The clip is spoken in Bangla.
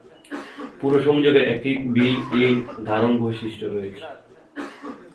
পুরো সংযোগের একটি বিল্ড-ইন ধারণ বৈশিষ্ট্য রয়েছে।